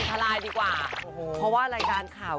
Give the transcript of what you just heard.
พี่เมิ้ลถนัดใช้ร่างกาย